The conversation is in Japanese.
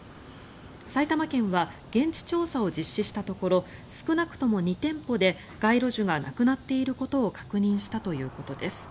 埼玉県は現地調査を実施したところ少なくとも２店舗で街路樹がなくなっていることを確認したということです。